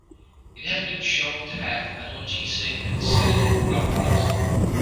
It has been shown to have analgesic and sedative properties.